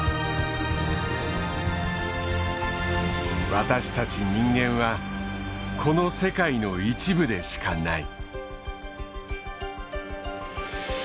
私たち人間はこの世界の一部でしかない。